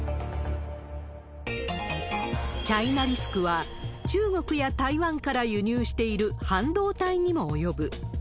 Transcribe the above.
チャイナリスクは、中国や台湾から輸入している半導体にも及ぶ。